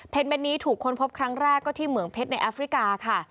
เป็นนี้ถูกค้นพบครั้งแรกก็ที่เหมืองเพชรในแอฟริกาค่ะ